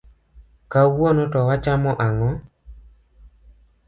Kawuono to wachamo ng'o.